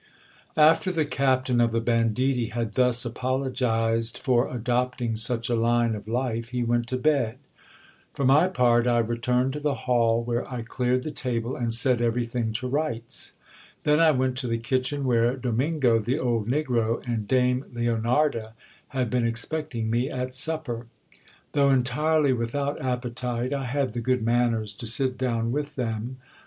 After the captain of the banditti had thus apologized for adopting such a line of life, he went to bed. For my part, I returned to the hall, where I cleared the table, and set everything to rights. Then I went to the kitchen, where Domingo, the old negro, and dame Leonarda had been expecting me at supper. Though entirely without appetite, I had the good manners to sit down with them.